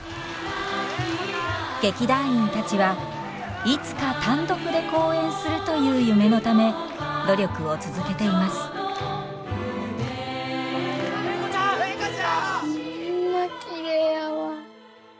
劇団員たちはいつか単独で公演するという夢のため努力を続けています礼子ちゃん！礼子ちゃん！ホンマきれいやわ。